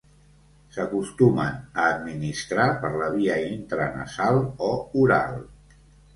S'acostumen a administrar per la via intranasal o oral.